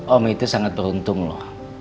om itu sangat beruntung loh